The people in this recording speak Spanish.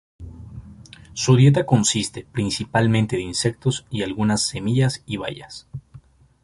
Su dieta consiste principalmente de insectos, y algunas semillas y bayas.